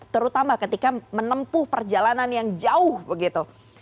terutama ketika menempuh perjalanan yang jauh begitu